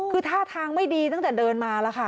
คือท่าทางไม่ดีตั้งแต่เดินมาแล้วค่ะ